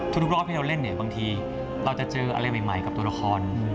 รอบที่เราเล่นเนี่ยบางทีเราจะเจออะไรใหม่กับตัวละคร